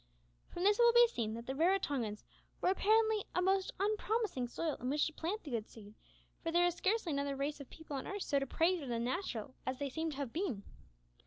From this it will be seen that the Raratongans were apparently a most unpromising soil in which to plant the "good seed," for there is scarcely another race of people on earth so depraved and unnatural as they seem to have been.